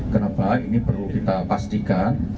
kenapa ini perlu kita pastikan